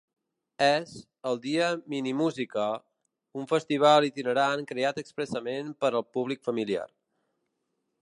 És ‘El dia minimúsica’, un festival itinerant creat expressament per al públic familiar.